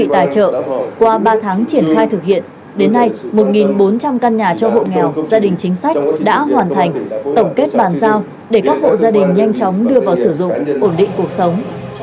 qua ba tháng triển khai thực hiện đến nay một bốn trăm linh căn nhà cho hộ nghèo gia đình chính sách đã hoàn thành tổng kết bàn giao để các hộ gia đình nhanh chóng đưa vào sử dụng ổn định cuộc sống